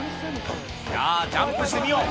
じゃあ、ジャンプしてみよう。